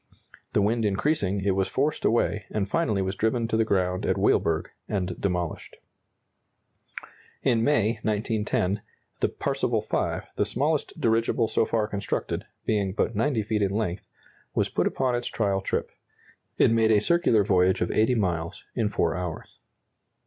The wind increasing, it was forced away, and finally was driven to the ground at Weilburg and demolished. In May, 1910, the "Parseval V," the smallest dirigible so far constructed, being but 90 feet in length, was put upon its trial trip. It made a circular voyage of 80 miles in 4 hours.